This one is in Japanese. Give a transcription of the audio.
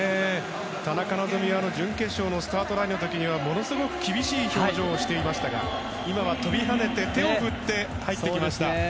田中希実は準決勝のスタートラインの時にはものすごく厳しい表情をしていましたが今は、飛び跳ねて手を振って入ってきました。